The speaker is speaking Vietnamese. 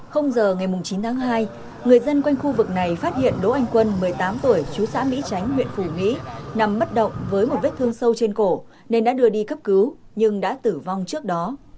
giờ ngày chín tháng hai người dân quanh khu vực này phát hiện đỗ anh quân một mươi tám tuổi chú xã mỹ tránh huyện phủ mỹ nằm bất động với một vết thương sâu trên cổ nên đã đưa đi cấp cứu nhưng đã tử vong trước đó